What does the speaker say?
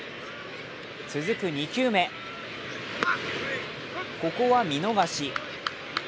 続く２球目ここは見逃し。